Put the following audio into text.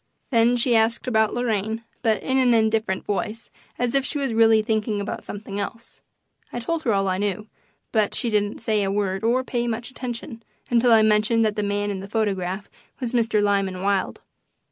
Then she asked about Lorraine, but in an indifferent voice, as if she was really thinking about something else. I told her all I knew, but she didn't say a word or pay much attention until I mentioned that the man in the photograph was Mr. Lyman Wilde.